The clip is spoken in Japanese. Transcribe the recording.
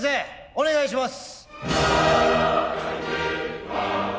お願いします。